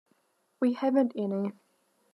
We haven’t any.